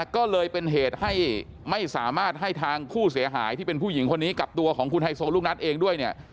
ก็เลยเป็นเหตุให้ไม่สามารถให้ทางผู้เสียหายที่เป็นผู้หญิงคนนี้กับตัวของคุณไฮโซลูกนัทเองด้วยเนี่ย